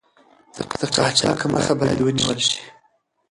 د قاچاق مخه باید ونیول شي.